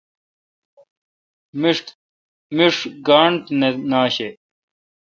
میݭ گانٹھ نہ آشہ۔